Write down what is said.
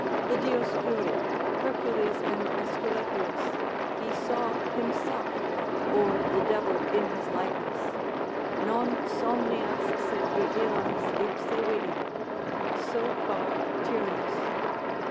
The Dioscuri, Hercules and Aesculapius, he saw himself (or the devil in his likeness) non somnians sed vigilans ipse vidi: So far Tyrius.